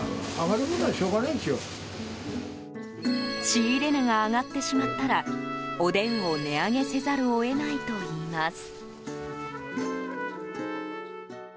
仕入れ値が上がってしまったらおでんを値上げせざるを得ないといいます。